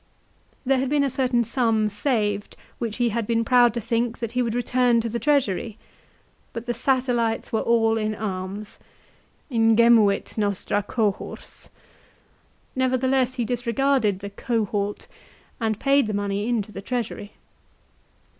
2 There had been a certain sum saved which he had been proud to think that he would return to the treasury. But the satellites were all in arms. " Ingemuit nostra cohors." Nevertheless he disregarded the " cohort " and paid the money into the treasury.